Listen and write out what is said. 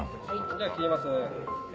じゃあ切ります。